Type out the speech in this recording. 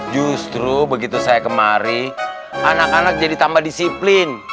justru begitu saya kemari anak anak jadi tambah disiplin